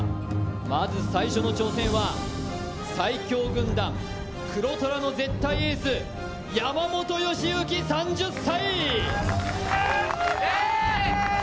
まず最初の挑戦は最強軍団黒虎の絶対エース、山本良幸３０歳。